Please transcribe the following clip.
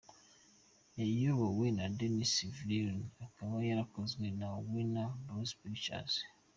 Yayobowe na Denis Villeneuve ikaba yarakozwe na Warner Bros Pictures.